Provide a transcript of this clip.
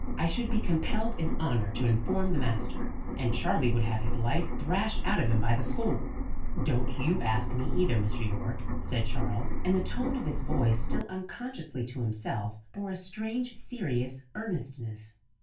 "I should be compelled in honour to inform the master, and Charley would have his life thrashed out of him by the school." "Don't you ask me, either, Mr. Yorke," said Charles; and the tone of his voice, still unconsciously to himself, bore a strange serious earnestness.